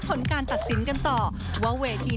ผลการตัดสินกันต่อว่าเวที